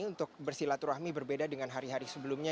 untuk bersilaturahmi berbeda dengan hari hari sebelumnya